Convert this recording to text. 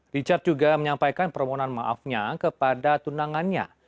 richard juga menyampaikan permohonan maafnya kepada tunangannya